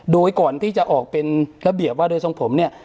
โดยก่อนที่จะออกเป็นระเบียบว่าโดยทรงผมเนี่ย